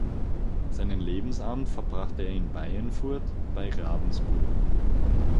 Seinen Lebensabend verbrachte er in Baienfurt bei Ravensburg.